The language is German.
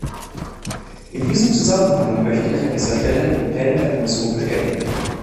In diesem Zusammenhang möchte ich an dieser Stelle die Pläne der Kommission bestätigen.